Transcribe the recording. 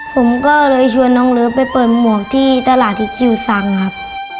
ผมก็เลยชวนน้องเลิฟไปเปิดหมวกที่ตลาดที่คิวซังครับ